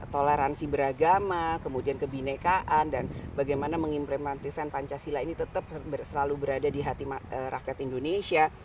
toleransi beragama kemudian kebinekaan dan bagaimana mengimplementasikan pancasila ini tetap selalu berada di hati rakyat indonesia